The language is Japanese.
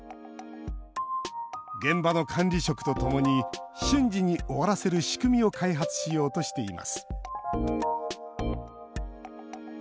現場の管理職とともに瞬時に終わらせる仕組みを開発しようとしています。